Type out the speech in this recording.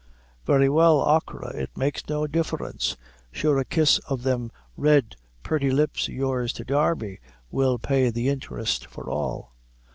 "Very well, achora, it makes no difference; sure a kiss o' them red, purty lips o' yours to Darby will pay the inthrest for all."